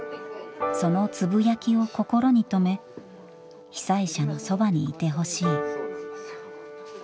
そのつぶやきを心に留め被災者のそばにいてほしい。